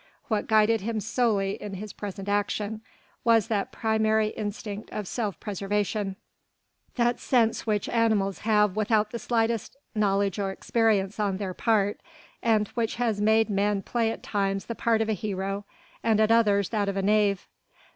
What guided him solely in his present action was that primary instinct of self preservation, that sense which animals have without the slightest knowledge or experience on their part and which has made men play at times the part of a hero and at others that of a knave.